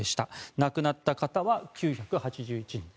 亡くなった方は９８１人。